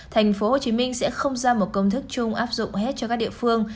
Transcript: tp hcm sẽ không ra một công thức chung áp dụng hết cho các địa phương